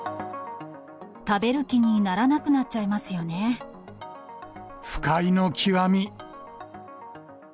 食べる気にならなくなっちゃ不快の極み。